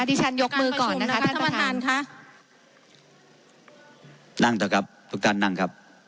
ที่ฉันยกมือก่อนนะคะท่านประธานค่ะนั่งเถอะครับทุกท่านนั่งครับ